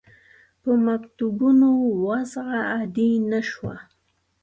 په مکتوبونو وضع عادي نه شوه.